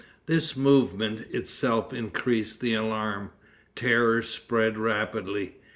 This movement itself increased the alarm. Terror spread rapidly.